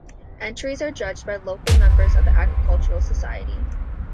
Entries are judged by local members of the Agricultural Society.